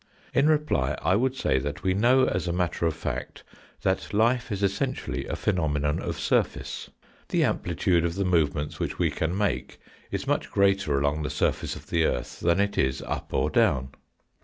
In reply I would say that we know as a matter of fact that life is essentially a phenomenon of surface. The amplitude of the movements which we can make is much greater along the surface of the earth than it is up or down.